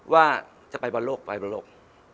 ว่าจะไปบอลโลกไปบอลโลก